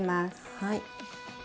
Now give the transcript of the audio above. はい。